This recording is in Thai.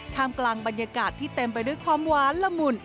กลางบรรยากาศที่เต็มไปด้วยความหวานละมุน